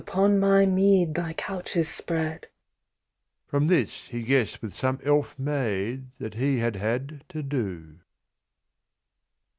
Upon my mead thy couch is spread." From this he guessed with some elf maid That he had had to do.